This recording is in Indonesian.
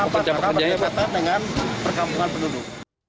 karena mereka berkampungan penduduk